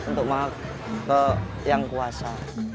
untuk yang kuasa